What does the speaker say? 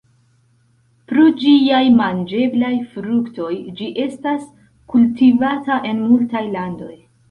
Pro ĝiaj manĝeblaj fruktoj ĝi estas kultivata en multaj landoj.